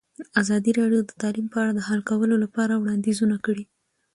ازادي راډیو د تعلیم په اړه د حل کولو لپاره وړاندیزونه کړي.